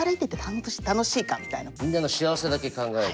みんなの幸せだけ考える。